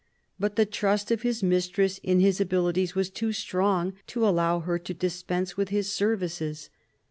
But the trust of his mistress in his abilities was too strong to allow her to dispense with his services.